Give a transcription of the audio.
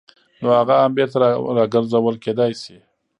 نو هغه هم بېرته راګرځول کېدای شي.